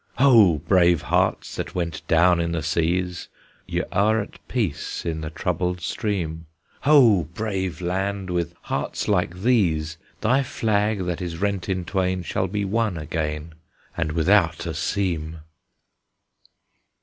Ho! brave hearts that went down in the seas! Ye are at peace in the troubled stream, Ho! brave land! with hearts like these, Thy flag, that is rent in twain, Shall be one again, And without a seam!